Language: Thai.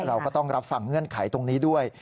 เราก็ต้องรับฟังเงื่อนไขตรงนี้ด้วย